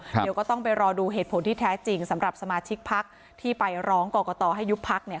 เดี๋ยวก็ต้องไปรอดูเหตุผลที่แท้จริงสำหรับสมาชิกพักที่ไปร้องกรกตให้ยุบพักเนี่ย